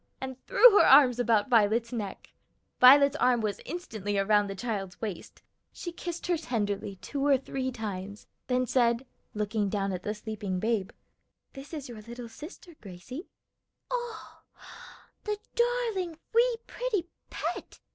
and threw her arms about Violet's neck. Violet's arm was instantly around the child's waist; she kissed her tenderly two or three times, then said, looking down at the sleeping babe, "This is your little sister, Gracie." "Oh, the darling, wee, pretty pet!"